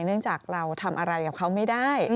เนื่องจากเราทำอะไรกับเขาไม่ได้